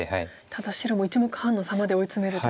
ただ白も１目半の差まで追い詰めると。